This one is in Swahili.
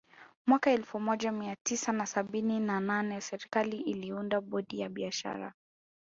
Mwaka elfu moja mia tisa na sabini na nane serikali iliunda bodi ya biashara